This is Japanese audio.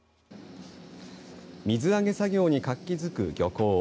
水揚げ作業に活気づく漁港。